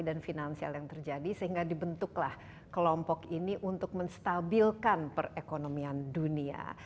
dan finansial yang terjadi sehingga dibentuklah kelompok ini untuk menstabilkan perekonomian dunia